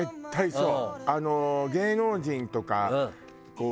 そう。